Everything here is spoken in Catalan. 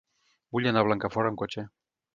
Vull anar a Blancafort amb cotxe.